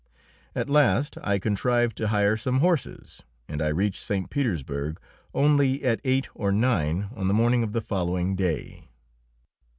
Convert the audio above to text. At last I contrived to hire some horses, and I reached St. Petersburg only at eight or nine on the morning of the following day.